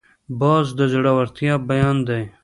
باز د زړورتیا بیان دی